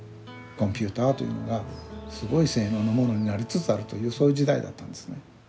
コンピューターというのがすごい性能のものになりつつあるというそういう時代だったんですね。